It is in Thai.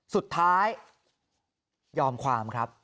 สุดท้ายยอมความครับ